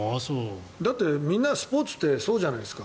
だって、みんなスポーツってそうじゃないですか。